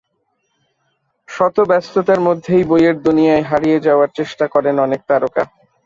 শত ব্যস্ততার মধ্যেই বইয়ের দুনিয়ায় হারিয়ে যাওয়ার চেষ্টা করেন অনেক তারকা।